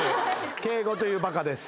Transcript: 景瑚というバカです。